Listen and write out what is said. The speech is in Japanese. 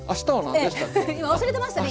ええ今忘れてましたね